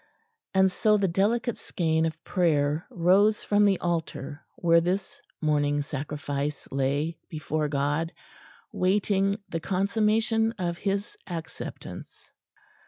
And so the delicate skein of prayer rose from the altar where this morning sacrifice lay before God, waiting the consummation of His acceptance.